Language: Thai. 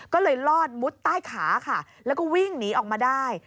ก็เลยลอดมุดใต้ขาค่ะแล้วก็วิ่งหนีออกมาได้